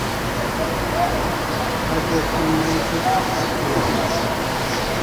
Ajo se mai pi kapha thi aw